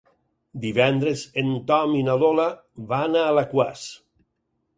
Divendres en Tom i na Lola van a Alaquàs.